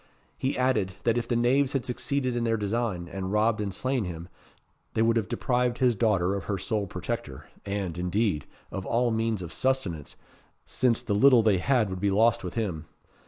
He added, that if the knaves had succeeded in their design, and robbed and slain him, they would have deprived his daughter of her sole protector; and, indeed, of all means of subsistence, since the little they had would be lost with him.